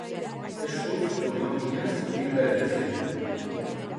Eskuz edo makinaz bil daitezke.